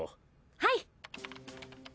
はい。